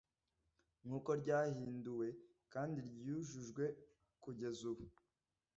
nk uko ryahinduwe kandi ryujujwe kugeza ubu